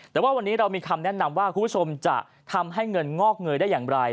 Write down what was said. แต่ว่าวันนี้เรามีคำแนะนำว่าคุณผู้ชมจะทำให้เงินงอกเงยได้อย่างไร